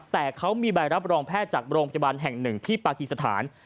แต่เขามีใบรับรองแพทย์จากโรงพยาบาลแห่งหนึ่งที่ปากีสถาน